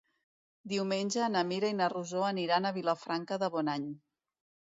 Diumenge na Mira i na Rosó aniran a Vilafranca de Bonany.